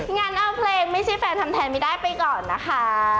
งั้นเอาเพลงไม่ใช่แฟนทำแทนไม่ได้ไปก่อนนะคะ